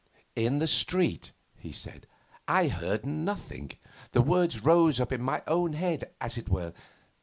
'In the street,' he said, 'I heard nothing; the words rose up in my own head, as it were.